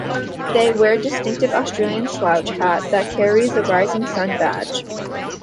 They wear the distinctive Australian slouch hat that carries the 'Rising Sun' badge.